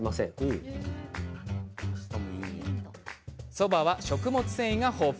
そばは食物繊維が豊富。